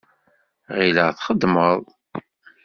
Ɣileɣ txeddmeḍ.